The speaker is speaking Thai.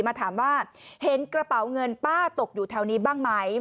มาถามว่าเห็นกระเป๋าเงินป้าตกอยู่แถวนี้บ้างไหม